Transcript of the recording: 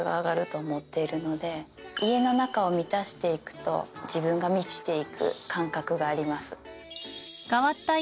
家の中を満たして行くと自分が満ちて行く感覚があります。